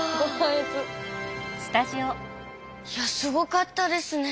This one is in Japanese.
いやすごかったですね。